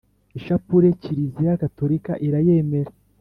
Ishapure kiriziya gatorika irayemera